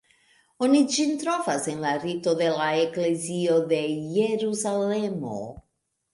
Oni ĝin trovas en la Rito de la Eklezio de Jerusalemo.